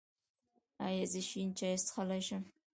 ایا زه شین چای څښلی شم؟